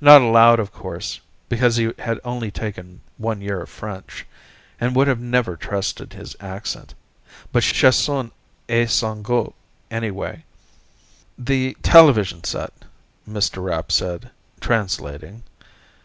Not aloud, of course, because he had only taken one year of French, and would never have trusted his accent. But chacun a son gout, anyway. "The television set," Mr. Rapp said, translating.